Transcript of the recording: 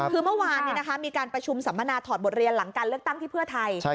คือเมื่อวานมีการประชุมสัมมนาถอดบทเรียนหลังการเลือกตั้งที่เพื่อไทย